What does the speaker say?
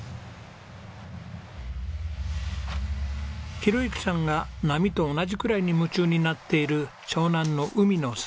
宏幸さんが波と同じくらいに夢中になっている湘南の海の幸。